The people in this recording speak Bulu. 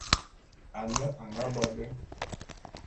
Ane a nga bo de.